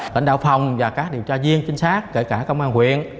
tỉnh đạo phòng và các điều tra viên chính xác kể cả công an huyện